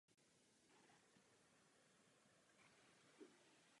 Globální nerovnováhu je třeba napravit.